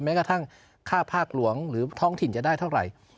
แม้กระทั่งค่าภาคหลวงหรือท้องถิ่นจะได้เท่าไหร่